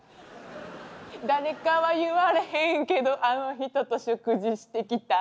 「誰かは言われへんけどあの人と食事してきた」